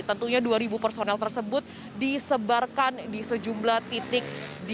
tentunya dua personel tersebut disebarkan di sejumlah titik